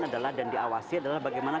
adalah dan diawasi adalah bagaimana